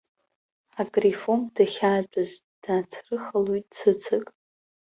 Акрифом дахьаатәаз, даацрыхалоит цыцак.